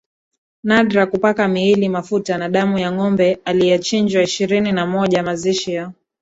nadra kupaka miili mafuta na damu ya ngombe aliyechinjwa Ishirini na moja Mazishi ya